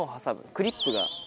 クリップが。